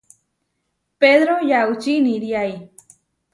Pedro yaučí iniriái.